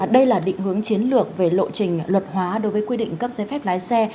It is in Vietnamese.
đây là định hướng chiến lược về lộ trình luật hóa đối với quy định cấp giấy phép lái xe